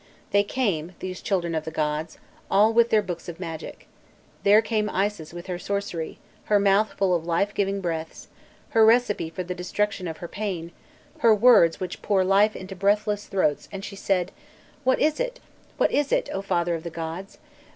They came, these children of the gods, all with their books of magic. There came Isis with her sorcery, her mouth full of life giving breaths, her recipe for the destruction of pain, her words which pour life into breathless throats, and she said: "What is it? what is it, O father of the gods?